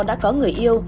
đã có người yêu